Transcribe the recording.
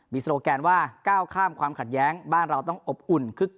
มีโซโลแกนว่าก้าวข้ามความขัดแย้งบ้านเราต้องอบอุ่นคึกคัก